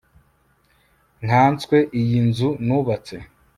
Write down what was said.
nkaswe iyi nzu nubatse